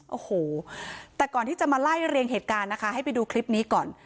โอ้โหแต่ก่อนที่จะมาไล่เรียงเหตุการณ์นะคะให้ไปดูคลิปนี้ก่อน